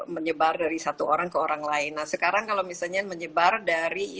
menyebar dari satu orang ke orang lain nah sekarang kalau misalnya menyebar dari